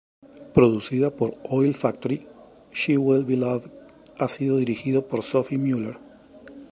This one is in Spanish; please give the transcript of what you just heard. Producida por Oil Factory, "She Will Be Loved" ha sido dirigido por Sophie Muller.